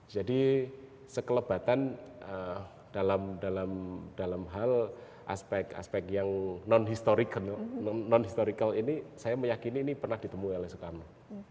jadi sekelebatan dalam hal aspek aspek yang non historical ini saya meyakini ini pernah ditemui oleh soekarno